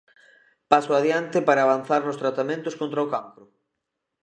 Paso adiante para avanzar nos tratamentos contra o cancro.